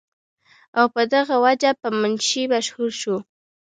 او پۀ دغه وجه پۀ منشي مشهور شو ۔